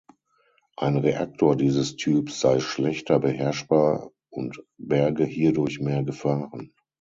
Ein Reaktor dieses Typs sei schlechter beherrschbar und berge hierdurch mehr Gefahren.